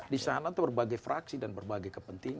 di sana itu berbagai fraksi dan berbagai kepentingan